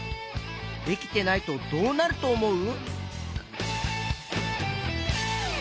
できてないとどうなるとおもう？